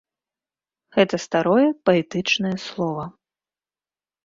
Гэта старое, паэтычнае слова.